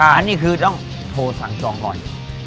อันนี้คือต้องโทรสั่งจองก่อน